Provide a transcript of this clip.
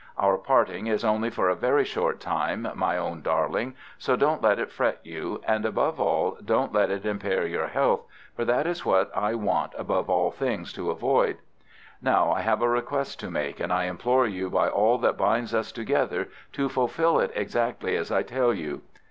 Our parting is only for a very short time, my own darling, so don't let it fret you, and above all don't let it impair your health, for that is what I want above all things to avoid. "Now, I have a request to make, and I implore you by all that binds us together to fulfil it exactly as I tell you.